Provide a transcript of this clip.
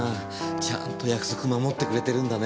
ちゃんと約束守ってくれてるんだね。